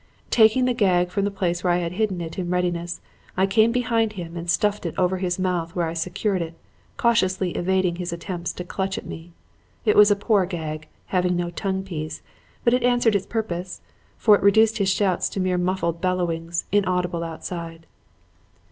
Taking the gag from the place where I had hidden it in readiness, I came behind him and slipped it over his mouth where I secured it, cautiously evading his attempts to clutch at me. It was a poor gag having no tongue piece but it answered its purpose, for it reduced his shouts to mere muffled bellowings, inaudible outside.